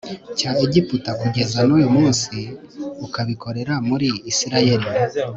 cya Egiputa kugeza n uyu munsi ukabikorera muri Isirayeli